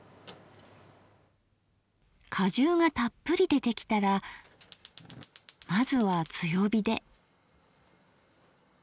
果汁がたっぷり出てきたらまずは強火で。